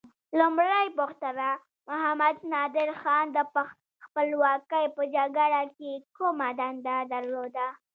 لومړۍ پوښتنه: محمد نادر خان د خپلواکۍ په جګړه کې کومه دنده درلوده؟